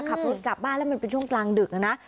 ขับรถกลับบ้านแล้วมันเป็นช่วงกลางดึกนะ